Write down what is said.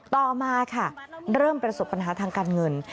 ต่อมาค่ะเริ่มประสบปัญหาทางการเงิน